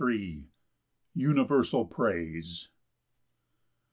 Universal praise.